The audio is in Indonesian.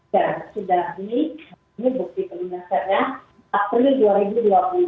ya sudah di bukti penyiasatnya april dua ribu dua puluh